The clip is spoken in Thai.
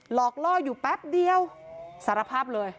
หลอกล่ออยู่แป๊บเดียวสารภาพเลย